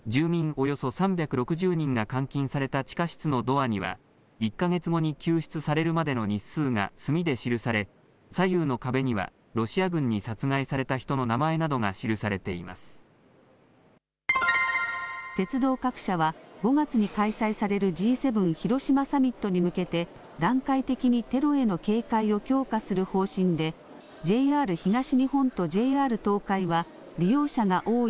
およそ３６０人が監禁された地下室のドアには１か月後に救出されるまでの日数が、炭で記され左右の壁にはロシア軍に殺害された人の鉄道各社は５月に開催されるＧ７広島サミットに向けて段階的にテロへの警戒を強化する方針でＪＲ東日本とＪＲ東海は利用者が多い